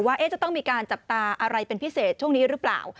ว่าจะต้องมีการจับตาอะไรเป็นพิเศษช่วงนี้หรือเปล่า